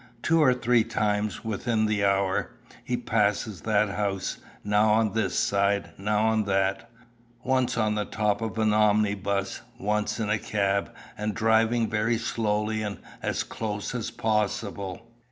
Two or three times, within the hour, he passes that house, now on this side, now on that; once on the top of an omnibus, once in a cab, and driving very slowly, and as close as possible.